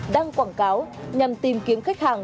đăng quảng cáo nhằm tìm kiếm khách hàng